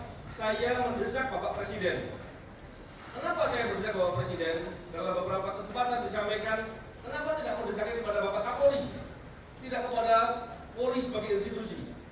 kenapa saya mendesak bapak presiden dalam beberapa kesempatan menyampaikan kenapa tidak mendesaknya kepada bapak kapoling tidak kepada polisi sebagai institusi